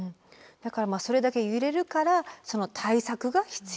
だからまあそれだけ揺れるからその対策が必要だってことなんですね。